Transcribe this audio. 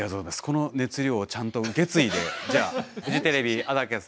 この熱量をちゃんと受け継いでじゃあフジテレビ安宅さんです。